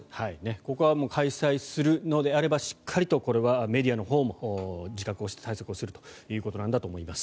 ここは開催するのであればこれはしっかりとメディアのほうも自覚をして対策をするということなんだと思います。